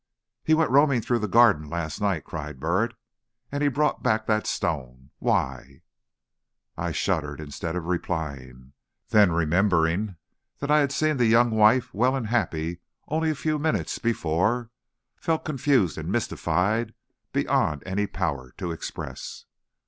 "He went roaming through the garden last night," cried Burritt, "and he brought back that stone. Why?" I shuddered instead of replying. Then remembering that I had seen the young wife well and happy only a few minutes before, felt confused and mystified beyond any power to express.